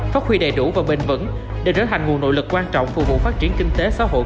phát huy đầy đủ và bền vững để trở thành nguồn nội lực quan trọng phục vụ phát triển kinh tế xã hội